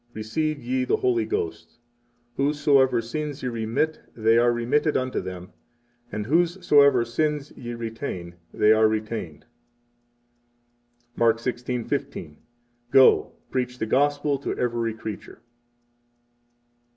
Receive ye the Holy Ghost. Whosesoever sins ye remit, they are remitted unto them; and whosesoever sins ye retain, they are retained. 7 Mark 16:15: Go preach the Gospel to every creature.